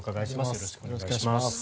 よろしくお願いします。